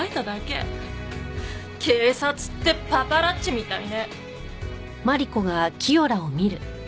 警察ってパパラッチみたいね。